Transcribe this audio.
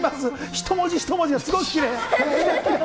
一文字一文字がすごくきれい。